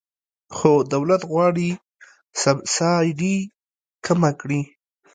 خو دولت غواړي سبسایډي کمه کړي.